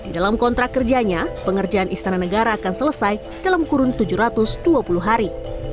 dalam kontrak kerjanya pengerjaan istana negara akan selesai dalam kurun tujuh ratus dua puluh hari